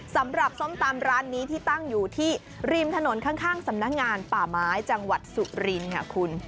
สำหรับส้มตำร้านนี้ที่ตั้งอยู่ที่ริมถนนข้างสำนักงานป่าไม้จังหวัดสุรินค่ะคุณ